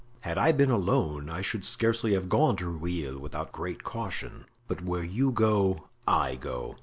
Had I been alone I should scarcely have gone to Rueil without great caution. But where you go, I go."